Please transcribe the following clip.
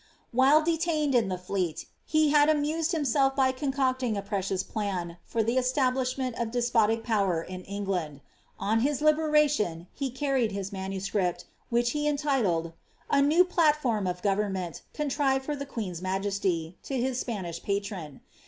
While detained in the Fleet, he had amused himaelf by concocting t precious plan for the establishment of despotic power in England. Oa his liberation, he carried his manuscript, which he entitled ^ A new Plat form of Oovemment, contrived for the queen^s majesty,'^ to his Spanish patron.